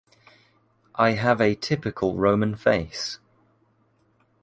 I have a typical Roman face.